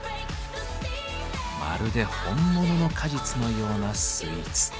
まるで本物の果実のようなスイーツ。